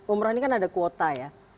umroh ini kan ada kuota ya